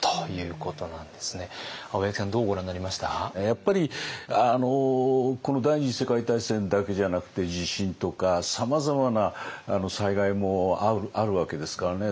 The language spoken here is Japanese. やっぱりこの第二次世界大戦だけじゃなくて地震とかさまざまな災害もあるわけですからね。